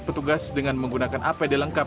petugas dengan menggunakan apd lengkap